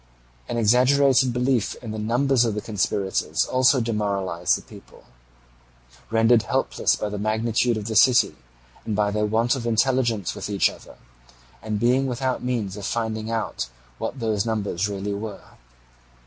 An exaggerated belief in the numbers of the conspirators also demoralized the people, rendered helpless by the magnitude of the city, and by their want of intelligence with each other, and being without means of finding out what those numbers really were.